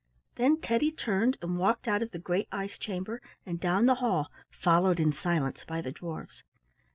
Then Teddy turned and walked out of the great ice chamber and down the hall, followed in silence by the dwarfs.